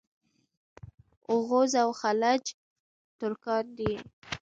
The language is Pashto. اوغوز او خَلَج ترکان دي.